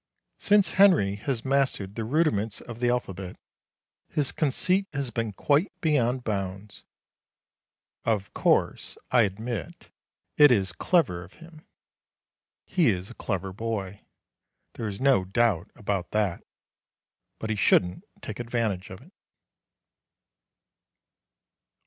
Since Henry has mastered the rudiments of the alphabet, his conceit has been quite beyond bounds. Of course, I admit it is clever of him. He is a clever boy. There is no doubt about that, but he shouldn't take advantage of it.